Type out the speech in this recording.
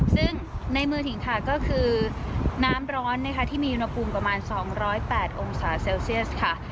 ซึ่งในมือถึงค่ะก็คือน้ำร้อนนะคะที่มีอุณหภูมิประมาณ๒๐๘องศาเซลเซียสค่ะ